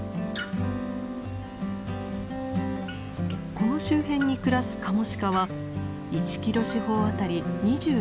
この周辺に暮らすカモシカは１キロ四方当たり２６頭。